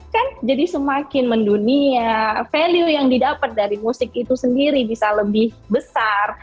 kan jadi semakin mendunia value yang didapat dari musik itu sendiri bisa lebih besar